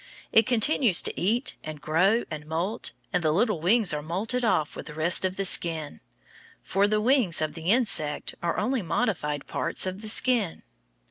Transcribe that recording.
It continues to eat and grow and moult, and the little wings are moulted off with the rest of the skin for the wings of the insect are only modified parts of the skin.